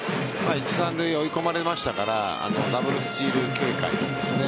一・三塁追い込まれましたからダブルスチール警戒ですね。